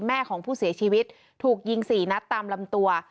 แม่ของผู้เสียชีวิตถูกยิง๔นัดตามลำตัว